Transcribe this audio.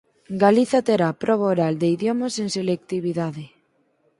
Galiza terá proba oral de idiomas en selectividade